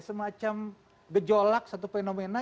semacam gejolak satu fenomena